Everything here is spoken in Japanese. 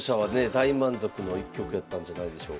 大満足の一局やったんじゃないでしょうか。